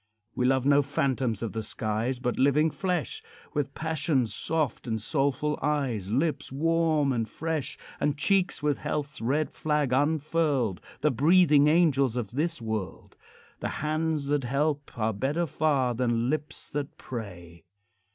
We love no phantoms of the skies, But living flesh, With passion's soft and soulful eyes, Lips warm and fresh, And cheeks with health's red flag unfurled, The breathing angels of this world. The hands that help are better far Than lips that pray.